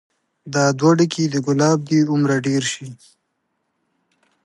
دا دوه ډکي د ګلاب دې هومره ډير شي